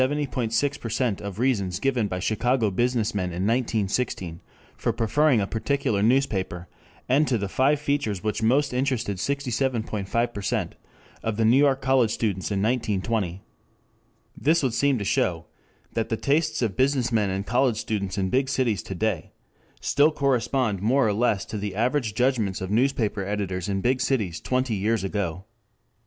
6% of reasons given by Chicago business men in 1916 for preferring a particular newspaper, and to the five features which most interested 67.5% of the New York College students in 1920. This would seem to show that the tastes of business men and college students in big cities to day still correspond more or less to the averaged judgments of newspaper editors in big cities twenty years ago.